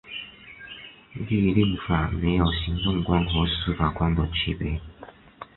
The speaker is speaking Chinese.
律令法没有行政官和司法官的区别。